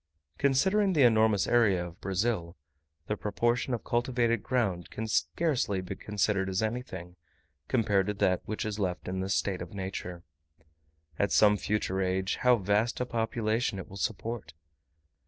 Considering the enormous area of Brazil, the proportion of cultivated ground can scarcely be considered as anything, compared to that which is left in the state of nature: at some future age, how vast a population it will support!